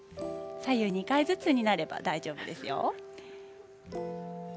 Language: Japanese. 左右２回ずつになれば大丈夫ですよ。